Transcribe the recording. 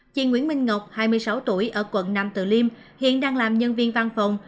chị nguyễn minh ngọc hai mươi sáu tuổi ở quận nam từ liêm hiện đang làm nhân viên văn phòng